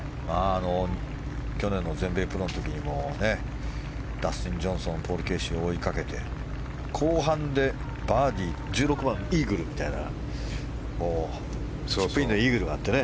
去年の全米プロの時にはダスティン・ジョンソンポール・ケーシーを追いかけて後半でバーディー１６番でイーグルみたいなチップインのイーグルがあってね。